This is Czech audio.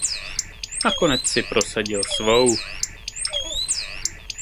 Nakonec si prosadil svou.